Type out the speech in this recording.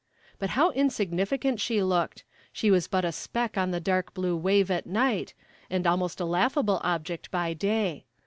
But how insignificant she looked; she was but a speck on the dark blue wave at night, and almost a laughable object by day.